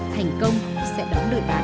thành công sẽ đón đợi bạn